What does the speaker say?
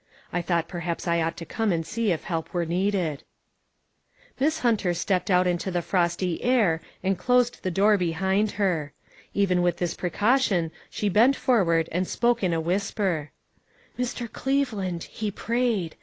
I thought perhaps I ought to come and see if help were needed." 512 ONE COMMONPLACE DAY. Miss Hunter stepped out into the frosty air and closed the door behind her. Even with this precaution she bent forward and spoke in a whisper: "Mr. Cleveland, he prayed.